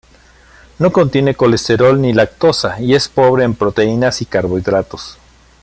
No contiene colesterol ni lactosa y es pobre en proteínas y carbohidratos.